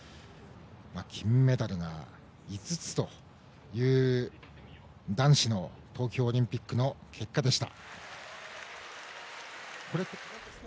金メダルが５つという男子の東京オリンピックの結果でした。